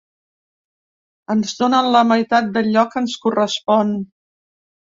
Ens donen la meitat d’allò què ens correspon.